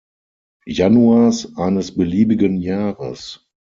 Januars eines beliebigen Jahres.